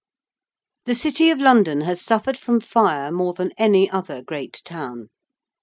_)] The City of London has suffered from fire more than any other great town.